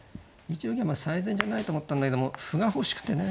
１四銀は最善じゃないと思ったんだけども歩が欲しくてね。